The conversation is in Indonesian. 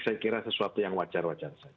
saya kira sesuatu yang wajar wajar saja